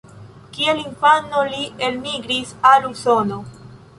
Kiel infano li elmigris al Usono.